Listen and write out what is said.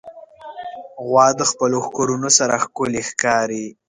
غوا د خپلو ښکرونو سره ښکلي ښکاري.